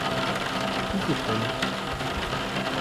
Où court-elle ?